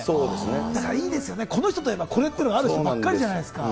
だからいいですよね、この人といえばこれっていうのがある人ばっかりじゃないですか。